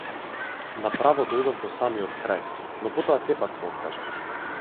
На право дојдов до самиот крај, но потоа сепак се откажав.